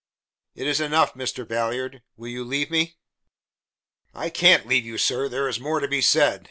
"It is enough, Mr. Ballard. Will you leave me?" "I can't leave you, sir: there is more to be said.